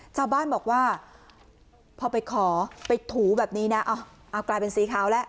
ชาวบ้านบอกว่าพอไปขอไปถูแบบนี้นะเอากลายเป็นสีขาวแล้ว